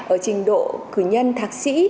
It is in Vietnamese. ở trình độ cử nhân thạc sĩ